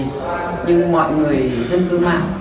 nhưng mọi người dân cư mạng